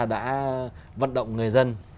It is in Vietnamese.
đã vận động người dân